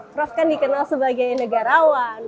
prof kan dikenal sebagai negarawan